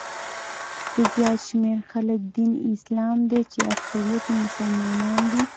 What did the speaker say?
د زیات شمېر خلکو دین یې اسلام دی چې اکثریت یې مسلمانان دي.